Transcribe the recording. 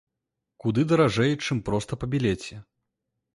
Куды даражэй, чым проста па білеце.